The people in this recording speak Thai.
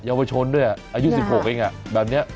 เยาวชนด้วยอ่ะอายุสิบหกเองอ่ะแบบเนี้ย